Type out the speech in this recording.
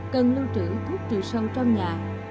cần lưu trữ thuốc trừ sâu trong nhà